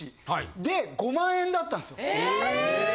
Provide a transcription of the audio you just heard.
で５万円だったんですよ。・ええっ！